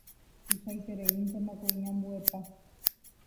Tuichaitereíntemako iñambuepa